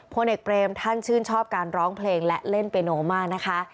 พลเอกเบรมท่านชื่นชอบการร้องเพลงและเล่นเปโนมากนะคะ